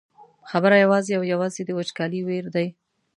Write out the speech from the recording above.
خبره یوازې او یوازې د وچکالۍ ویر دی.